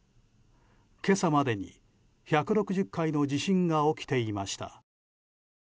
今朝までに１６０回の地震が起きていました。